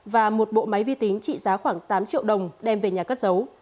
và một bộ máy vi tính trị giá khoảng tám triệu đồng đem về nhà cất giấu